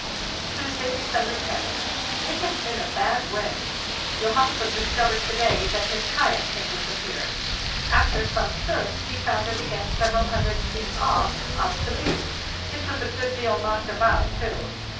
"Tuesday, December roth. It has been a bad wind. Johansen discovered to day that his kayak had disap peared. After some search he found it again several hundred feet off, up the beach; it was a good deal knocked about, too.